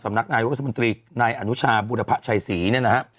สำนักศัพท์นายรุธมนตรีนายอนุชาบุรพชัยศรีนี่นะฮะ